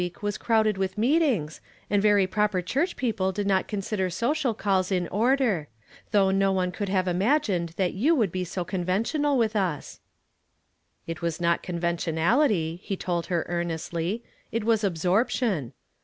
ig a call at Anni versary \V(M'k was crowded with meetings, and that very proper churcli people did not consider social calls in ordei' ; tliongli no one conhl have imagined tiiat you wouhl l)e so conventional with us." It was not conventionality, he told lier » arnestly, it was absorption.